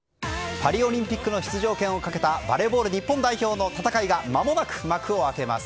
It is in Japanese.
パリオリンピックの出場権をかけたバレーボール日本代表の戦いがまもなく幕を開けます。